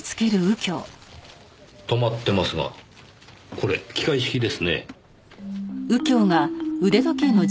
止まってますがこれ機械式ですね。